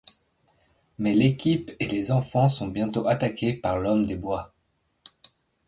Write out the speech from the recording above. Mais l'équipe et les enfants sont bientôt attaqués par l'Homme des bois.